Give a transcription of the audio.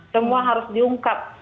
semua harus diungkap